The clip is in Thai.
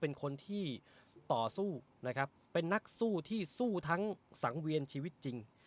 เป็นคนที่ต่อสู้นะครับเป็นนักสู้ที่สู้ทั้งสังเวียนชีวิตจริง